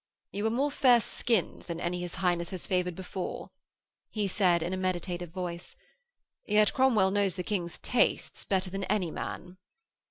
'You are more fair skinned than any his Highness has favoured before,' he said in a meditative voice. 'Yet Cromwell knows the King's tastes better than any man.'